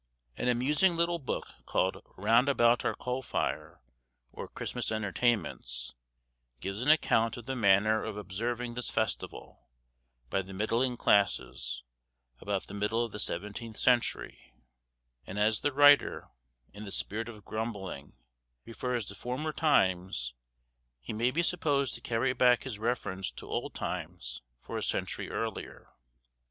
An amusing little book, called 'Round about our coal fire, or Christmas Entertainments,' gives an account of the manner of observing this festival, by the middling classes, about the middle of the seventeenth century, and as the writer, in the spirit of grumbling, refers to former times, he may be supposed to carry back his reference to old times for a century earlier.